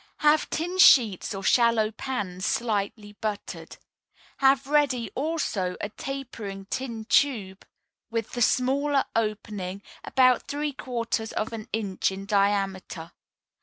Have tin sheets or shallow pans slightly buttered. Have ready, also, a tapering tin tube, with the smaller opening about three quarters of an inch in diameter.